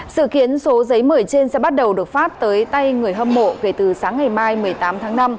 sự kiến số giấy mời trên sẽ bắt đầu được phát tới tay người hâm mộ kể từ sáng ngày mai một mươi tám tháng năm